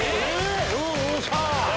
おっしゃ！